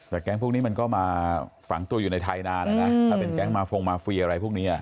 แต่แก๊งพวกนี้มันก็มาฝังตัวอยู่ในไทยนานนะนะถ้าเป็นแก๊งมาฟงมาเฟียอะไรพวกนี้